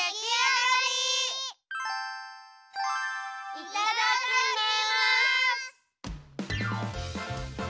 いただきます！